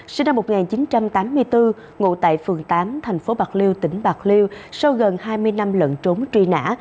sinh năm một nghìn chín trăm tám mươi bốn ngụ tại phường tám thành phố bạc liêu tỉnh bạc liêu sau gần hai mươi năm lận trốn truy nã